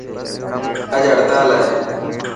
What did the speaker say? اڄ هڙتال هي.